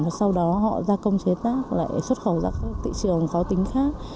và sau đó họ ra công chế tác lại xuất khẩu ra các thị trường khó tính khác